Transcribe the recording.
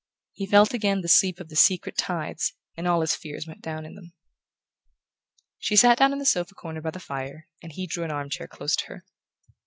He felt again the sweep of the secret tides, and all his fears went down in them. She sat down in the sofa corner by the fire and he drew an armchair close to her.